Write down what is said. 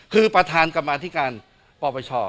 คือประธานกรรมอาทิการปอปเฉาะ